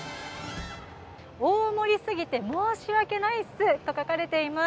大盛りすぎて申し訳ないっスと書かれています。